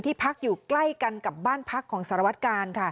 พักอยู่ใกล้กันกับบ้านพักของสารวัตกาล